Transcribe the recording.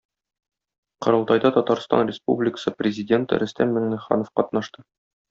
Корылтайда Татарстан Республикасы Президенты Рөстәм Миңнеханов катнаша.